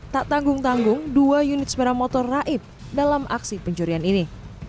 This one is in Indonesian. tak tanggung tanggung dua unit sepeda motor raib dalam aksi pencurian ini